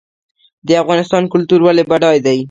د افغانستان کلتور ولې بډای دی؟